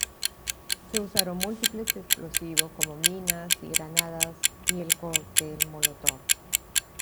Se usaron múltiples explosivos, como minas y granadas y el cóctel molotov.